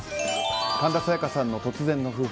神田沙也加さんの突然の訃報。